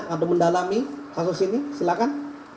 atau mendalami kasus ini silahkan